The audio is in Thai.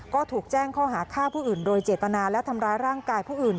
ก็ถูกแจ้งข้อหาฆ่าผู้อื่นโดยเจตนาและทำร้ายร่างกายผู้อื่น